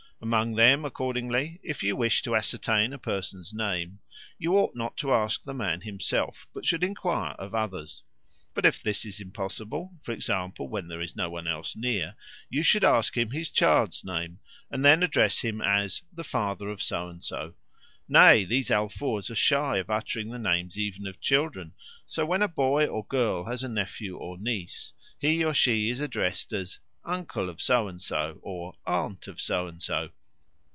Among them, accordingly, if you wish to ascertain a person's name, you ought not to ask the man himself, but should enquire of others. But if this is impossible, for example, when there is no one else near, you should ask him his child's name, and then address him as the "Father of So and so." Nay, these Alfoors are shy of uttering the names even of children; so when a boy or girl has a nephew or niece, he or she is addressed as "Uncle of So and so," or "Aunt of So and so."